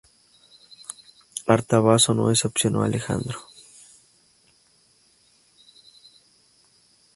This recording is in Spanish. Artabazo no decepcionó a Alejandro.